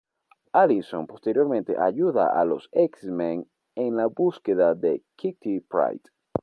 Alison posteriormente ayuda a los X-Men en la búsqueda de Kitty Pryde.